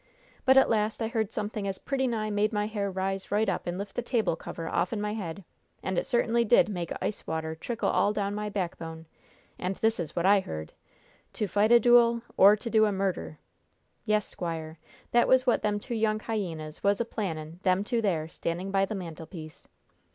"But at last I heard something as pretty nigh made my hair rise right up and lift the table cover offen my head. And it certainly did make ice water trickle all down my backbone! And this is what I heard: 'To fight a duel, or to do a murder!' Yes, squire, that was what them two young hyenas was a planning them two there, standing by the mantelpiece!"